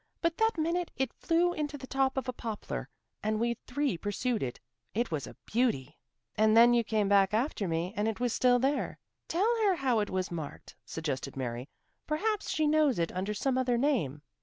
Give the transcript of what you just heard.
"But that minute it flew into the top of a poplar, and we three pursued it. It was a beauty." "And then you came back after me, and it was still there. Tell her how it was marked," suggested Mary. "Perhaps she knows it under some other name."